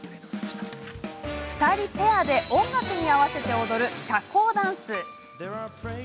２人ペアで音楽に合わせ踊る社交ダンス。